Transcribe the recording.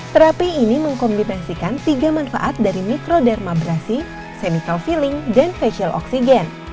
terapi ini mengkombinasikan tiga manfaat dari mikrodermabrasi semical filling dan facial oxygen